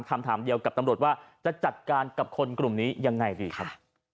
คำถามเดียวกับตำรวจว่าจะจัดการกับคนกลุ่มนี้ยังไงดีครับ